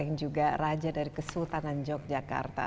yang juga raja dari kesultanan yogyakarta